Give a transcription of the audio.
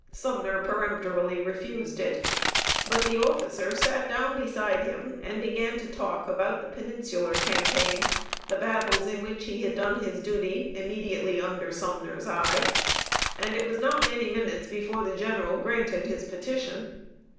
Sumner peremptorily refused it. But the officer sat down beside him, and began to talk about the Peninsular campaign the battles in which he had done his duty, immediately under Sumner's eye; and it was not many minutes before the general granted his petition.